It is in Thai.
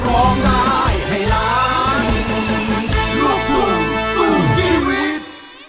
บอกได้ให้ร้านลูกคุณสู้ชีวิต